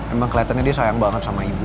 emang kelihatannya dia sayang banget sama ibu